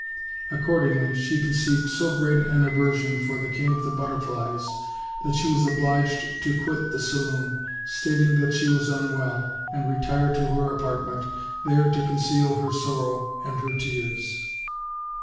Ac cordingly, she conceived so great an aversion for the King of the Butterflies that she was obliged to quit the saloon, stating that she was unwell, and retire to her apartment, there to conceal her sorrow and her tears.